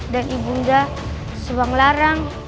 dan ibunya subang larang